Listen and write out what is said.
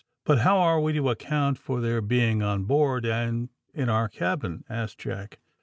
"But how are we to account for their being on board, and in our cabin?" asked Jack.